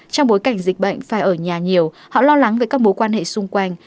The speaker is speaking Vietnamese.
trong bối cảnh dịch bệnh phải ở nhà nhiều họ lo lắng về các mối quan hệ xung quanh